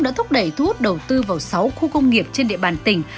đã thúc đẩy thu hút đầu tư vào sáu khu công nghiệp trên địa bàn tỉnh